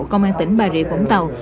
công an tỉnh bà rịa vũng tàu